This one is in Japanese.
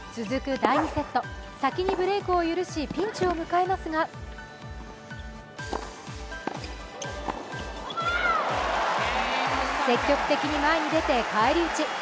続く第２セット、先にブレークを許しピンチを迎えますが積極的に前に出て返り討ち。